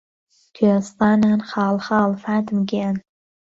کوێستانان خاڵ خاڵ فاتم گیان